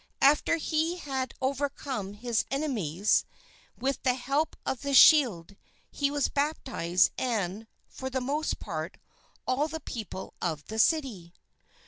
After he had overcome his enemies with the help of this shield, he was baptized and, for the most part, all the people of the city.